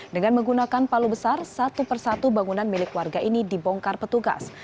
dengan menggunakan palu besar satu persatu bangunan milik warga ini dibongkar petugas